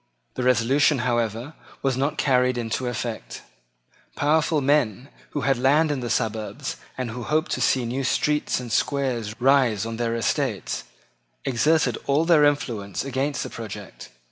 The resolution, however, was not carried into effect. Powerful men who had land in the suburbs and who hoped to see new streets and squares rise on their estates, exerted all their influence against the project.